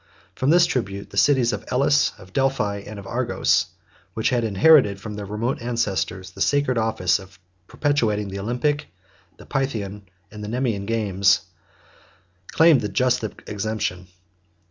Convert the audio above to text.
From this tribute the cities of Elis, of Delphi, and of Argos, which had inherited from their remote ancestors the sacred office of perpetuating the Olympic, the Pythian, and the Nemean games, claimed a just exemption.